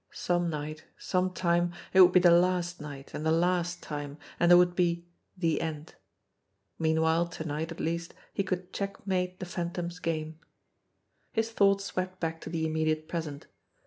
Some night, some time, it would be the last night and the last time, and there would be the end. Meanwhile to night, at least, he could check mate the Phantom's game. His thoughts swept back to the immediate present.